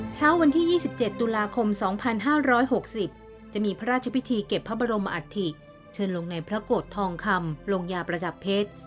เช้าวันที่๒๗ตุลาคม๒๕๖๐จะมีพระราชพิธีเก็บพระบรมอัฐิเชิญลงในพระโกรธทองคำลงยาประดับเพชร